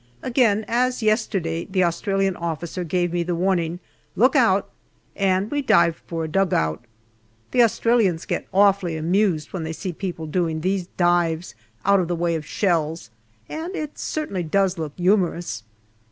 Again, as yesterday, the Australian officer gave me the warning " Look out !" and we dived for a dugout. The Australians get awfully amused when they see people doing these dives out of the way of shells, and it certainly does look humorous.